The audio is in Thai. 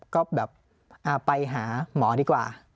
ก็แบบไปหาหมอดีกว่า